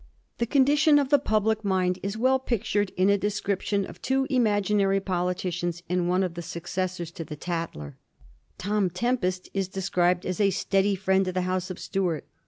The condition of the public mind is well pictured in a description of two imagi nary politicians in one of the successors to the Tader. * Tom Tempest ' is described as a steady friend to the House of Stuart.